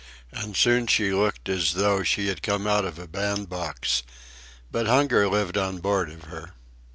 And soon she looked as though she had come out of a band box; but hunger lived on board of her.